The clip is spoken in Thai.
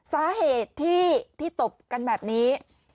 สาเหตุที่ตบกันแบบนี้